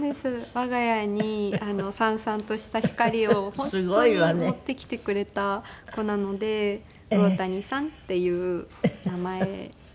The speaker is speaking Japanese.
我が家に燦々とした光を本当に持ってきてくれた子なので魚谷燦っていう名前に。